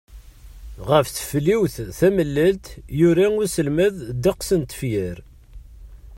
Ɣef tfelwit tamellalt, yura uselmad ddeqs n tefyar.